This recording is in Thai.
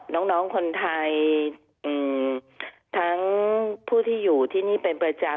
น้องคนไทยทั้งผู้ที่อยู่ที่นี่เป็นประจำ